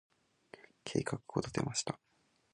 計画を立てました。